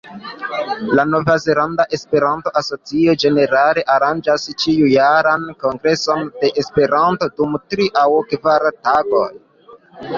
La Nov-Zelanda Esperanto-Asocio ĝenerale aranĝas ĉiujaran kongreson de Esperanto dum tri aŭ kvar tagoj.